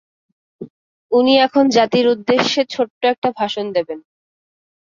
উনি এখন জাতির উদ্দেশ্য ছোট্ট একটা ভাষণ দেবেন।